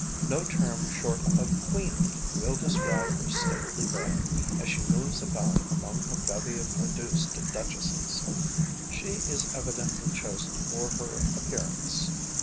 No term short of queenly will describe her stately bearing as she moves about among her bevy of reduced duchesses. She is evidently chosen for her appearance.